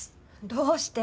どうして！